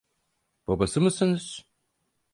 Babası mısınız?